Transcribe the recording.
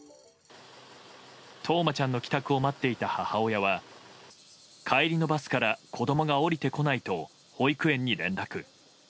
冬生ちゃんの帰宅を待っていた母親は帰りのバスから子供が降りてこないと保育園に連絡。